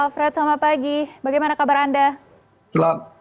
alfred selamat pagi bagaimana kabar anda